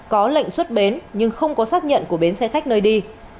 có lệnh xuất bến nhưng không có xác nhận của bến xe khách nơi đi